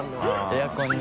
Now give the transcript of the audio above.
エアコンに。